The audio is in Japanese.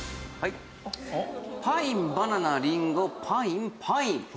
パインバナナりんごパインパイン。